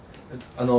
あの。